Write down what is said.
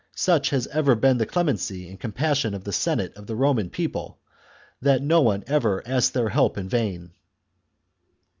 Such has ever been the char clemency and compassion of the Senate of the Roman people that no one ever asked their help in vain."